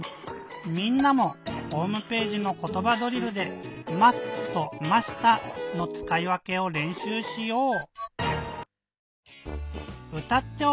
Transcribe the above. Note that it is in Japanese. みんなもホームページの「ことばドリル」で「ます」と「ました」のつかいわけをれんしゅうしよう。